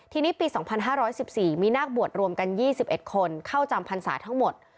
ทีนี้ปี๒๕๑๔มีนาคบวชรวมกัน๒๑คนเข้าจำพรรษาทั้งหมด